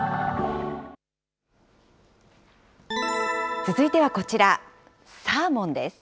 続いてはこちら、サーモンです。